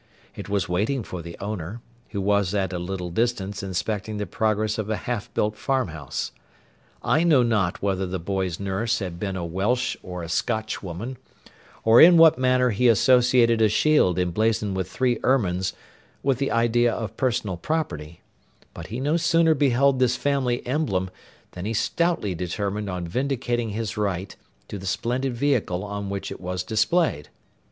It was waiting for the owner, who was at a little distance inspecting the progress of a half built farm house. I know not whether the boy's nurse had been a Welsh or a Scotch woman, or in what manner he associated a shield emblazoned with three ermines with the idea of personal property, but he no sooner beheld this family emblem than he stoutly determined on vindicating his right to the splendid vehicle on which it was displayed.